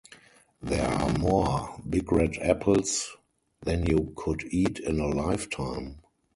There are more big red apples than you could eat in a lifetime.